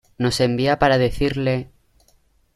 nos envía para decirle...